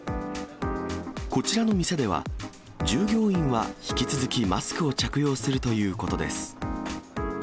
こちらの店では、従業員は引き続きマスクを着用するということです。